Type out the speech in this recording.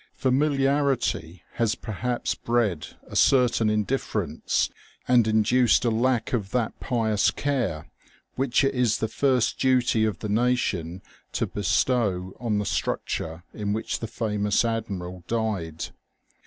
Familiarity has perhaps bred a certain indifference and induced a lack of that pious care which it is the first duty of the nation to bestow on the structure in which the famous admiral died.